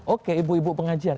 oke ibu ibu pengajian